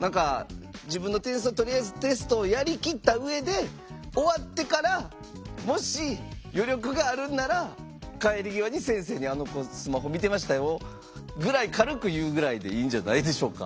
何か自分の点数をとりあえずテストをやりきった上で終わってからもし余力があるんなら帰り際に先生にあの子スマホ見てましたよぐらい軽く言うぐらいでいいんじゃないでしょうか。